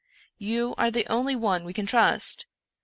You are the only one we can trust.